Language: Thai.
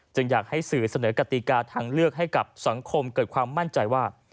อยากให้สื่อเสนอกติกาทางเลือกให้กับสังคมเกิดความมั่นใจว่า